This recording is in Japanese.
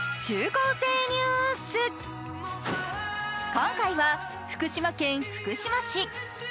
今回は福島県福島市。